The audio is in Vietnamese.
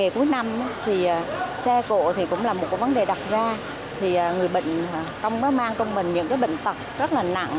cũng là một vấn đề đặc ra người bệnh không có mang trong mình những bệnh tật rất là nặng